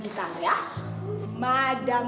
dimana mereka madam